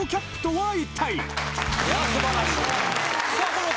はい。